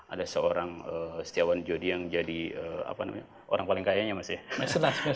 ada seorang setiawan jodi yang jadi orang paling kayanya mas ya